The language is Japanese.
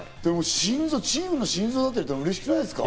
チームの心臓だって言われたらうれしくないですか？